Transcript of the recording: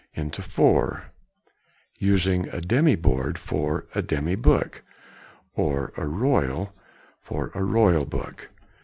into four; using a demy board for a demy book, or a royal for a royal book.